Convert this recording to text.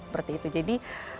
seperti itu jadi